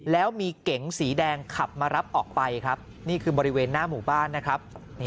แล้วมีเก๋งสีแดงขับมารับออกไปครับนี่คือบริเวณหน้าหมู่บ้านนะครับ